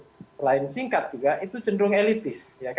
selain singkat juga itu cenderung elitis